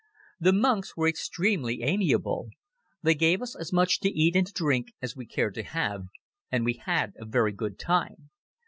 The monks were extremely amiable. They gave us as much to eat and to drink as we cared to have and we had a very good time.